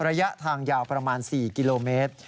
ระยะทางยาวประมาณ๔กิโลเมตร